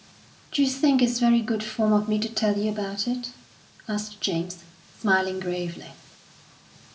"D'you think it's very good form of me to tell you about it?" asked James, smiling gravely.